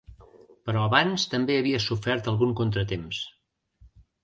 Però abans també havia sofert algun contratemps.